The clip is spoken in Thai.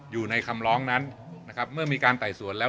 อยู่ในคำร้องนั้นนะครับเมื่อมีการไต่สวนแล้ว